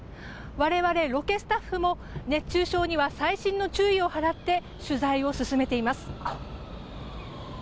我々ロケスタッフも熱中症には細心の注意を払って取材を進めています。